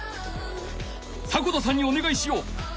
迫田さんにおねがいしよう。